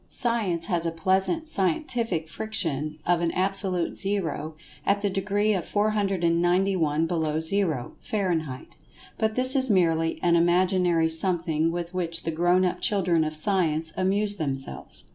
Science has a pleasant "scientific friction" of an Absolute Zero at the degree of 491 below Zero, Fahrenheit, but this is merely an imaginary something with which the grown up children of Science amuse themselves.